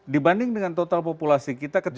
dibanding dengan total populasi kita kecil